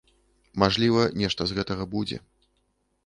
Мажліва, нешта з гэтага будзе.